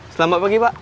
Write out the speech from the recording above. selamat pagi pak